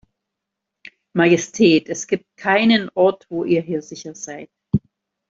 Majestät, es gibt keinen Ort wo ihr hier sicher seid.